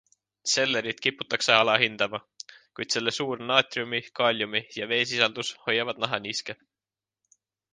Sellerit kiputakse alahindama, kuid selle suur naatriumi-, kaaliumi- ja veesisaldus hoiavad naha niiske.